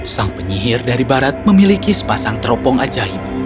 sang penyihir dari barat memiliki sepasang teropong ajaib